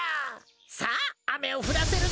さああめをふらせるのだ。